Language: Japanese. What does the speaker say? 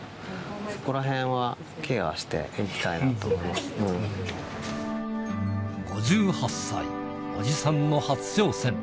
そこらへんはケアしていきたいな５８歳、おじさんの初挑戦。